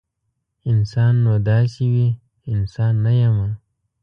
انسان نو داسې وي؟ انسان نه یمه